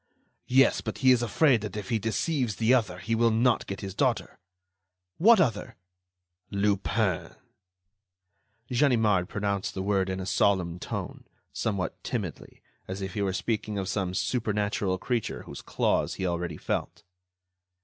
"Yes, but he is afraid that if he deceives the other, he will not get his daughter." "What other?" "Lupin." Ganimard pronounced the word in a solemn tone, somewhat timidly, as if he were speaking of some supernatural creature whose claws he already felt.